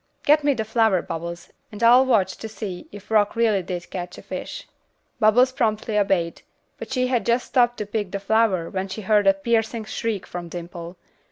Get me the flower, Bubbles, and I'll watch to see if Rock really did catch a fish." Bubbles promptly obeyed, but she had just stooped to pick the flower when she heard a piercing shriek from Dimple.